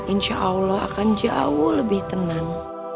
insya allah akan jauh lebih tenang